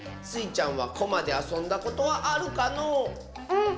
スイちゃんはコマであそんだことはあるかのう？